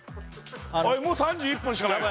あれもう３１分しかないの？